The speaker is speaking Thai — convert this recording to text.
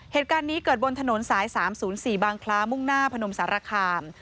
เหตุการณ์นี้เกิดบนถนนสาย๓๐๔บางคล้ามุ่งหน้าพนมสารคาม